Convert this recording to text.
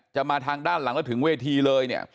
จะมาทางด้านหลังแล้วถึงเวทีเลย